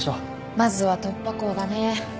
まずは突破口だね。